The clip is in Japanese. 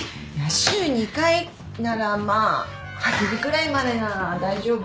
週２回ならまあ８時ぐらいまでなら大丈夫。